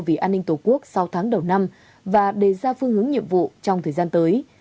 vì an ninh tổ quốc sau tháng đầu năm và đề ra phương hướng nhiệm vụ trong thời gian tới